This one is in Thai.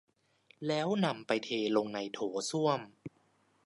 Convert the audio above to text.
แล้วนำไปเทลงในโถส้วม